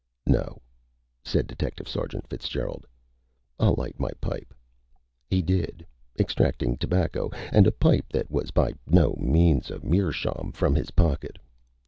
"No," said Detective Sergeant Fitzgerald. "I'll light my pipe." He did, extracting tobacco and a pipe that was by no means a meerschaum from his pocket.